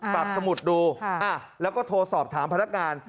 สมุดดูแล้วก็โทรสอบถามพนักงาน